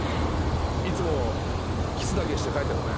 いつもキスだけして帰ってごめん。